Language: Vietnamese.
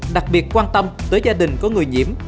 đặc biệt quan tâm tới gia đình có người nhiễm